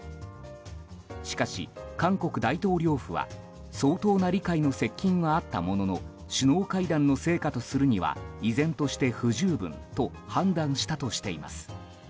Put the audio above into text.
しかし、韓国大統領府は相当な理解の接近はあったものの首脳会談の成果とするには依然として不十分と判断したとしています。